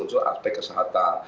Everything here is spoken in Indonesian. untuk aspek kesehatan